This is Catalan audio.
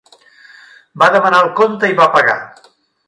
Va demanar el compte i va pagar.